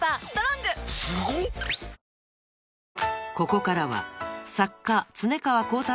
［ここからは］